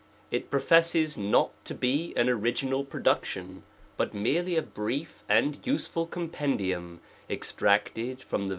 IT professes not to be an original production, but merely a brief and useful compendium, ex tracted from the